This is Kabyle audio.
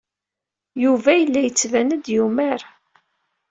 Yuba yella yettban-d yumar.